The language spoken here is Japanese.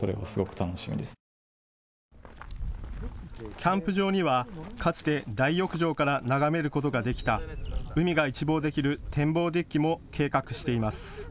キャンプ場には、かつて大浴場から眺めることができた海が一望できる展望デッキも計画しています。